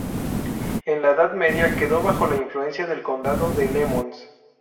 En la edad media quedó bajo la influencia del condado de Lemos.